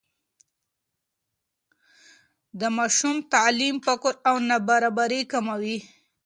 د ماشوم تعلیم فقر او نابرابري کموي.